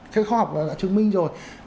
khóa học đã chứng minh rồi